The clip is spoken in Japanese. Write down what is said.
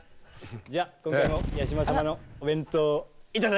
じゃあ今回も八嶋様のお弁当頂きに行ってきます。